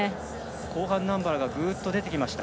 後半、ナンバラがぐっと出てきました。